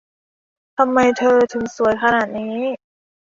ทำไมเธอถึงสวยขนาดนี้